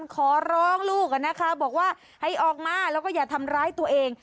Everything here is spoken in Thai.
ขอร้องลูกนะคะบอกว่าให้ออกมาแล้วก็อย่าทำร้ายตัวเอง